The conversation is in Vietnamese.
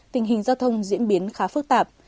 tình hình giao thông diễn biến khá phức tạp